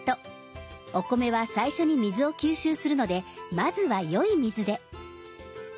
お米は最初に水を吸収するのでまずは良い水で。